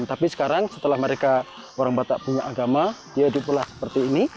tapi sekarang setelah mereka orang batak punya agama dia dipulah seperti ini